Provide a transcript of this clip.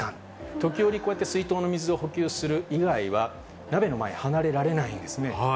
時折、こうやって水筒の水を補給する以外は鍋の前、離れられないんですね。